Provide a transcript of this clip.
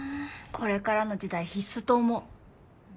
これからの時代必須と思う